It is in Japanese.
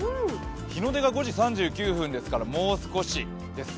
日の出が５時３９分ですからもう少しです。